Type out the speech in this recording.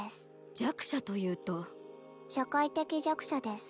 弱者とい社会的弱者です。